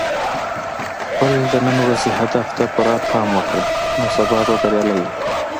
خپل د نن ورځې هدف ته پوره پام وکړه، نو سبا به بریالی یې.